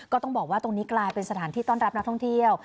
ก็ต้องบอกว่าตรงนี้กลายเป็นสถานที่ต้อนรับนักท่องเที่ยว